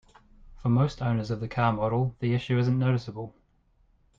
For most owners of the car model, the issue isn't noticeable.